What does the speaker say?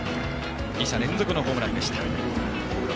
２者連続ホームランでした。